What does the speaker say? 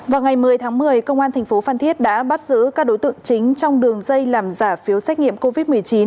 vào ngày một mươi tháng một mươi công an thành phố phan thiết đã bắt giữ các đối tượng chính trong đường dây làm giả phiếu xét nghiệm covid một mươi chín